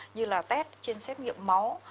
như là test trên xét nghiệm máu